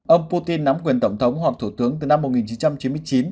ông putin nắm quyền tổng thống hoặc thủ tướng từ năm một nghìn chín trăm chín mươi chín